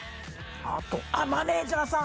あとあっマネージャーさん！